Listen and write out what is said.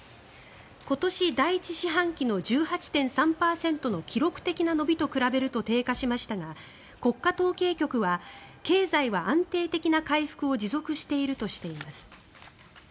今年、第１四半期の１８．３％の記録的な伸びと比べると低下しましたが国家統計局は経済は安定的な回復を持続しているとしています。